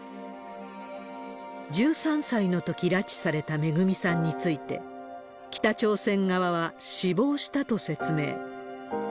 １３歳のとき拉致されためぐみさんについて、北朝鮮側は死亡したと説明。